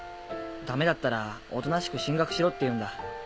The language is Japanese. ダメだったらおとなしく進学しろって言うんだ。